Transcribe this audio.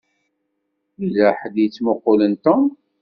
Yella ḥedd i yettmuqqulen Tom.